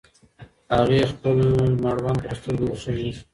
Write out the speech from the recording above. هغې خپل مړوند پر سترګو ایښی و.